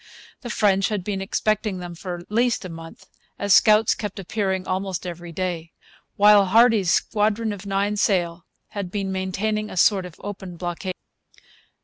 The French had been expecting them for at least a month; as scouts kept appearing almost every day, while Hardy's squadron of nine sail had been maintaining a sort of open blockade.